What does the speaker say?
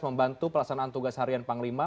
membantu pelaksanaan tugas harian panglima